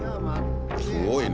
すごいね。